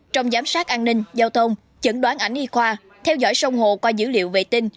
trong giám sát an ninh giao thông chẩn đoán ảnh y khoa theo dõi sông hồ qua dữ liệu vệ tinh